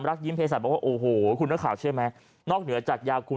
รักยิ้มเพศัตริย์โอ้โหคุณข่าวใช่ไหมนอกเหนือจากยาคุณ